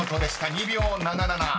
２秒７７］